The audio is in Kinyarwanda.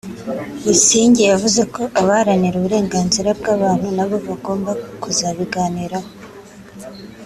Busingye yavuze ko abaharanira uburenganzira bwa muntu nabo bagomba kuzabiganiraho